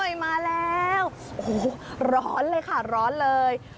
มาแล้วโอ้โหร้อนเลยค่ะร้อนเลย